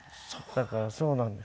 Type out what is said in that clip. だからそうなんです。